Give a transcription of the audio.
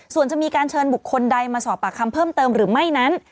ส่วนจะมีการเชิญบุคคลใดมาสอบปากคำเพิ่มเติมหรือไม่นั้น